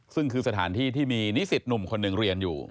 ซึ่งคือสถานที่ที่มีนิสิตหนุ่มคนหนึ่งเรียนอยู่